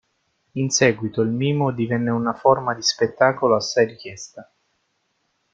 In seguito il mimo divenne una forma di spettacolo assai richiesta.